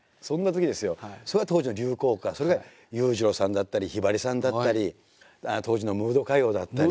当時の流行歌それが裕次郎さんだったりひばりさんだったり当時のムード歌謡だったり。